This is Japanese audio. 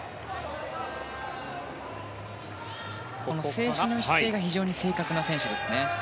静止の姿勢が非常に正確な選手ですね。